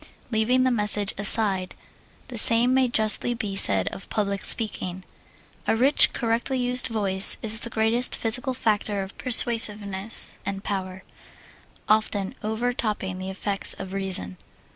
Leaving the message aside, the same may justly be said of public speaking. A rich, correctly used voice is the greatest physical factor of persuasiveness and power, often over topping the effects of reason.